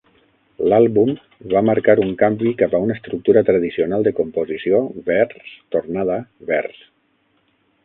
L'àlbum va marcar un canvi cap a una estructura tradicional de composició vers-tornada-vers.